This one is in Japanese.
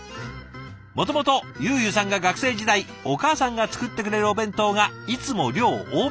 元々ゆうゆさんが学生時代お母さんが作ってくれるお弁当がいつも量多め。